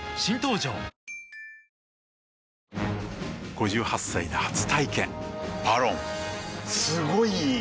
５８歳で初体験「ＶＡＲＯＮ」すごい良い！